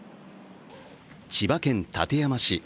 千葉県館山市。